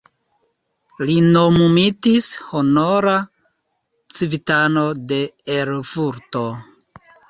Li nomumitis honora civitano de Erfurto.